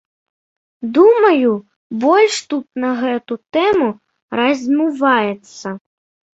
Думаю, больш тут на гэтую тэму раздзьмуваецца.